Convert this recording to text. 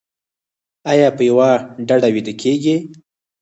ایا په یوه ډډه ویده کیږئ؟